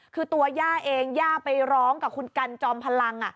คือตัวย่าเองย่าไปร้องกับคุณกันจอมพลัง